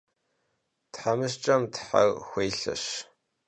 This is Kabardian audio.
Themışç'em ther xuelheş.